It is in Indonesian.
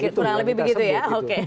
kurang lebih begitu ya